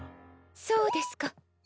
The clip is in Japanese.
そうですか。